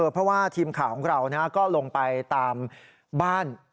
เพราะว่าทีมข่าวของเราก็ลงไปตามบ้าน